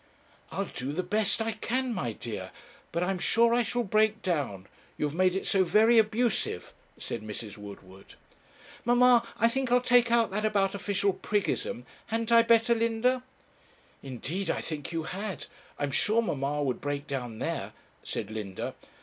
'I'll do the best I can, my dear, but I'm sure I shall break down; you have made it so very abusive,' said Mrs. Woodward. 'Mamma, I think I'll take out that about official priggism hadn't I better, Linda?' 'Indeed, I think you had; I'm sure mamma would break down there,' said Linda.